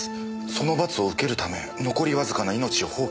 「その罰を受けるため残りわずかな命を放棄します」